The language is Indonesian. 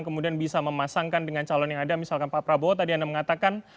kemudian bisa memasangkan dengan calon yang ada misalkan pak prabowo tadi anda mengatakan